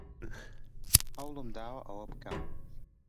هەوڵم داوە ئەوە بکەم.